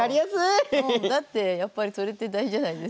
だってやっぱりそれって大事じゃないですか。